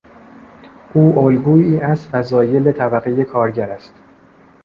او الگویی از فضایل طبقه کارگر است.